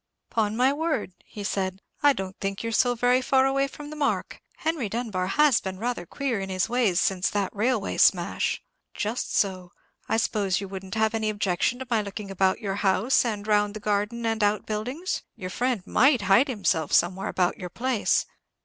"Upon my word," he said, "I don't think you're so very far away from the mark. Henry Dunbar has been rather queer in his ways since that railway smash." "Just so. I suppose you wouldn't have any objection to my looking about your house, and round the garden and outbuildings? Your friend might hide himself somewhere about your place.